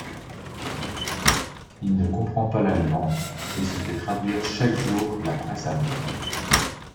Il ne comprend pas l'allemand et se fait traduire chaque jour la presse allemande.